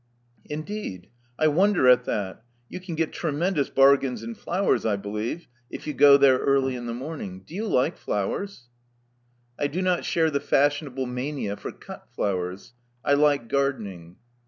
Indeed! I wonder at that. You can get tremendous bargains in flowers, I believe, if Love Among the Artists 275 you go there early m the morning. Do you like flowers?" *' I do not share the fashionable mania for cut flowers. I like gardening."